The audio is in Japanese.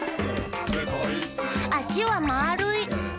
「あしはまるい！」